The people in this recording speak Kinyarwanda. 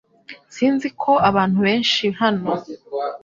Sinzi ko abantu benshi hano .